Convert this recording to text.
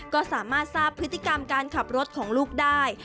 ก็สามารถทราบพฤติกรรมการขับรถของลูกได้